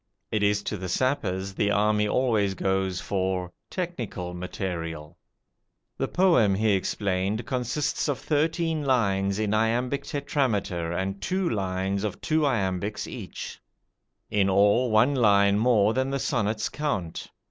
It is to the sappers the army always goes for "technical material". The poem, he explained, consists of thirteen lines in iambic tetrameter and two lines of two iambics each; in all, one line more than the sonnet's count.